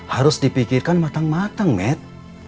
harus dipikirkan matang matang med